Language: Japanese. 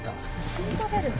シートベルト